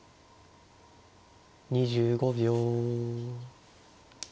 ２５秒。